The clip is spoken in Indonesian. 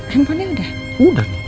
ma handphonenya udah